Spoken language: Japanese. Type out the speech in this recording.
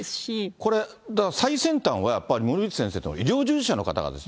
これだから、最先端は森内先生ら、医療従事者の方なんです。